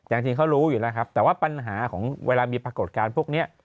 แต่จริงเขารู้อยู่แล้วครับแต่ว่าปัญหาของเวลามีปรากฏการณ์พวกนี้